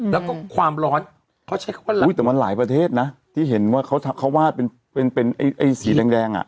แล้วก็ความร้อนเขาใช้ความหลังอุ้ยแต่มันหลายประเทศน่ะที่เห็นว่าเขาเขาว่าเป็นเป็นเป็นไอ้สีแดงแดงอ่ะ